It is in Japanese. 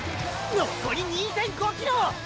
残り２．５ｋｍ。